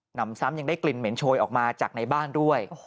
นำซ้ำยังได้กลิ่นเหม็นโชยออกมาจากในบ้านด้วย